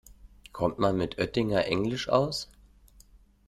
Kommt man mit Oettinger-Englisch aus?